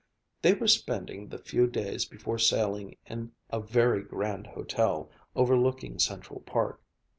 They were spending the few days before sailing in a very grand hotel, overlooking Central Park.